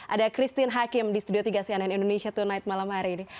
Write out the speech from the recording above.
ada christine hakim di studio tiga cnn indonesia tonight malam hari ini